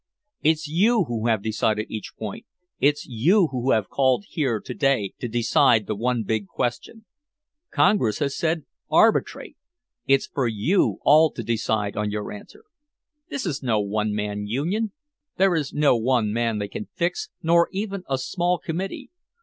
It's you who have decided each point. It's you who have been called here to day to decide the one big question. Congress has said, 'Arbitrate.' It's for you all to decide on our answer. This is no one man union, there is no one man they can fix, nor even a small committee.